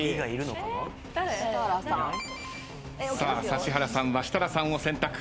指原さんは設楽さんを選択。